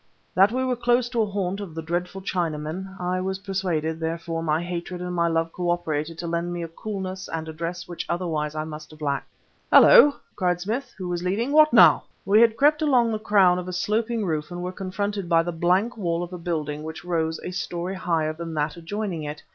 That we were close to a haunt of the dreadful Chinamen I was persuaded; therefore my hatred and my love cooperated to lend me a coolness and address which otherwise I must have lacked. "Hullo!" cried Smith, who was leading "what now?" We had crept along the crown of a sloping roof and were confronted by the blank wall of a building which rose a story higher than that adjoining it.